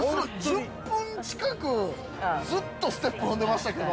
◆１０分近くずっとステップ踏んでましたけど。